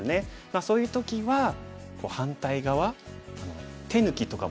そういう時は反対側手抜きとかもそうですね。